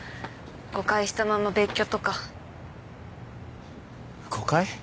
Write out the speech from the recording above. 誤解したまま別居とか誤解？